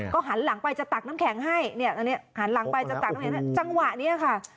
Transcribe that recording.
ก็หันหลังไปจะตักน้ำแข็งให้จังหวะเนี่ยค่ะ